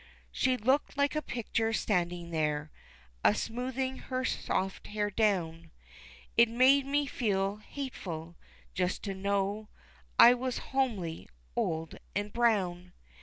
She looked like a picture standing there, A smoothing her soft hair down, It made me feel hateful, just to know I was homely, old, and brown.